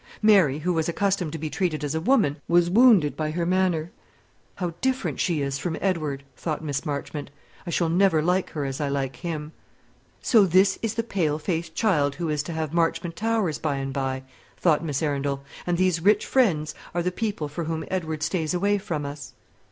Mary, who was accustomed to be treated as a woman, was wounded by her manner. "How different she is from Edward!" thought Miss Marchmont. "I shall never like her as I like him." "So this is the pale faced child who is to have Marchmont Towers by and by," thought Miss Arundel; "and these rich friends are the people for whom Edward stays away from us."